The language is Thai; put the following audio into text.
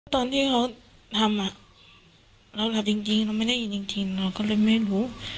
ตอนที่เขาทำเราทำจริงเราไม่ได้ยินจริงเราก็เลยไม่รู้